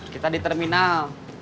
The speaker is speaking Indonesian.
kita di terminal